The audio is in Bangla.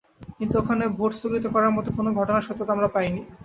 কিন্তু ওখানে ভোট স্থগিত করার মতো কোনো ঘটনার সত্যতা আমরা পাইনি।